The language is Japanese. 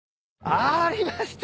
ありました！